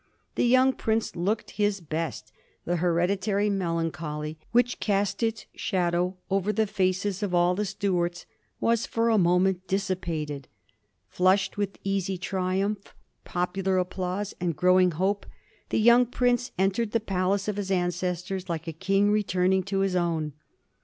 The young prince looked his best; the hereditary melancholy which cast its shadow over the faces of all the Stuarts was for the moment dissipated. Flushed with easy triumph, popular applause, and growing hope, the young prince entered the palace of his ancestors like a king returning to his own.